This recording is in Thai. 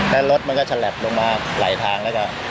แล้วรถมันก็ฉลับลงมาหลายทางแล้วก็